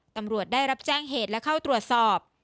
ตำรวจได้รับแจ้งเหตุและเข้าตรวจสอบ